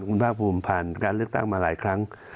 คุณภาคภูมิผ่านการเลือกตั้งมาหลายครั้ง